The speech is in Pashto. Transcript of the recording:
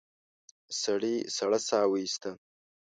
سړي سړه سا ويسته.